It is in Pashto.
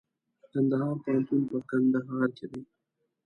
کندهار پوهنتون په کندهار کي دئ.